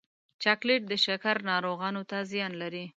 چاکلېټ د شکر ناروغانو ته زیان لري.